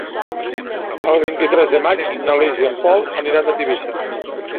El vint-i-tres de maig na Lis i en Pol aniran a Tivissa.